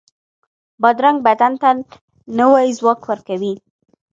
بادرنګ بدن ته نوی ځواک ورکوي.